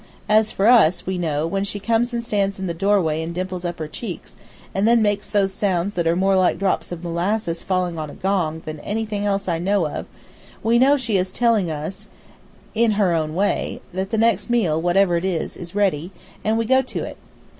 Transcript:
As for us, we know, when she comes and stands in the doorway and dimples up her cheeks, and then makes those sounds that are more like drops of molasses falling on a gong than anything else I know of, we know that she is telling us in her own way that the next meal, whatever it is, is ready, and we go to it."